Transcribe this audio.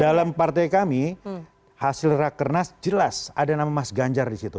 dalam partai kami hasil rakenas jelas ada nama mas ganjar disitu